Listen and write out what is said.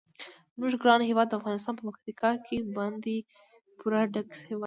زموږ ګران هیواد افغانستان په پکتیکا باندې پوره ډک هیواد دی.